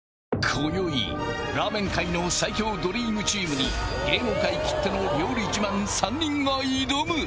こよいラーメン界の最強ドリームチームに芸能界きっての料理自慢３人が挑む！